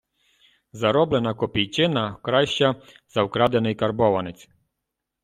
Зароблена копійчина краща за вкрадений карбованець